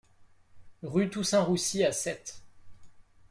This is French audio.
Rue Toussaint Roussy à Sète